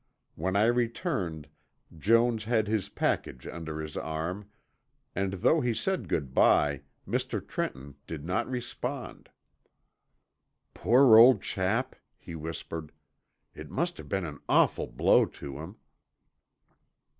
When I returned Jones had his package under his arm and though he said good by, Mr. Trenton did not respond. "Poor old chap," he whispered. "It must have been an awful blow to him."